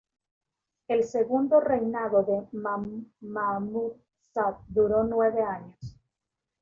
El segundo reinado de Mahmud Sah duró nueve años.